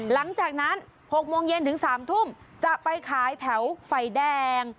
หลังจากนั้น๖โมงเย็นถึง๓ทุ่มจะไปขายแถวไฟแดง